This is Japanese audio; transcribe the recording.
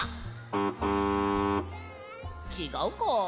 ちがうか。